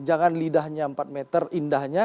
jangan lidahnya empat meter indahnya